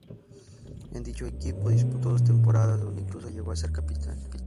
En dicho equipo disputó dos temporadas, donde incluso llegó a ser capitán.